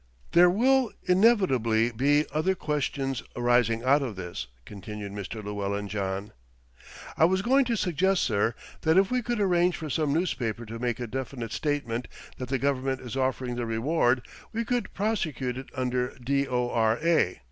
"There will inevitably be other questions arising out of this," continued Mr. Llewellyn John. "I was going to suggest, sir, that if we could arrange for some newspaper to make a definite statement that the Government is offering the reward, we could prosecute it under D.O.R.A."